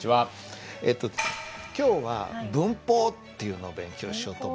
今日は文法っていうのを勉強しようと思います。